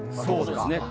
そうですね。